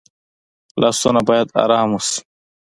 لاسونه باید آرام وشي